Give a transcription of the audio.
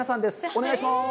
お願いします。